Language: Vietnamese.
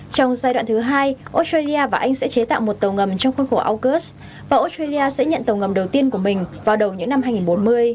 trong giai đoạn thứ hai australia và anh sẽ chế tạo một tàu ngầm trong khuôn khổ aukus và australia sẽ nhận tàu ngầm đầu tiên của mình vào đầu những năm hai nghìn bốn mươi